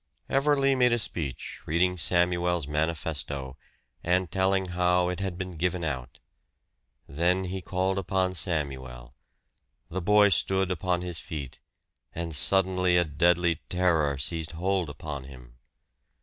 Everley made a speech, reading Samuel's manifesto, and telling how it had been given out. Then he called upon Samuel. The boy stood upon his feet and suddenly a deadly terror seized hold upon him.